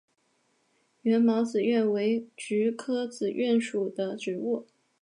缘毛紫菀为菊科紫菀属的植物。